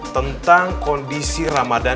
tentang kondisi ramadhan